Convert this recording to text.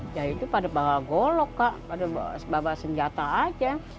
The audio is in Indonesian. ya itu pada bawa golok kak pada bawa senjata aja